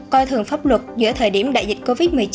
coi thường pháp luật giữa thời điểm đại dịch covid một mươi chín